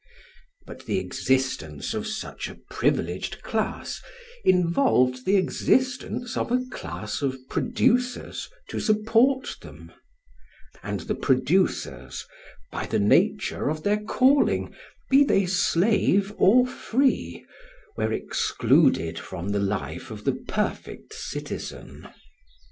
But the existence of such a privileged class involved the existence of a class of producers to support them; and the producers, by the nature of their calling, be they slave or free, were excluded from the life of the perfect citizen.